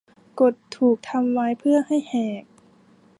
กฎถูกทำไว้เพื่อให้แหก